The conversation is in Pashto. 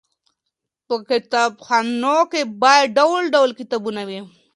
په کتابخانو کې باید ډول ډول کتابونه وي.